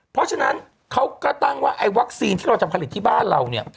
เพราะฉะนั้นเขาก็ตั้งว่าไอ้วัคซีนที่เราจะผลิตที่บ้านเราเนี่ย